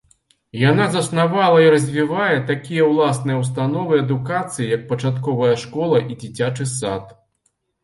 Яна заснавала і развівае такія ўласныя ўстановы адукацыі, як пачатковая школа і дзіцячы сад.